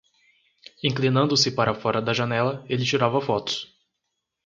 Inclinando-se para fora da janela, ele tirava fotos.